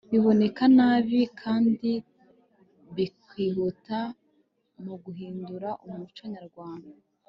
biboneka nabi kandi bikihuta muguhindura umuco nyarwanda